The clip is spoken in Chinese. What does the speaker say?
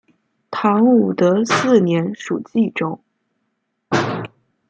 唐朝武德四年属济州。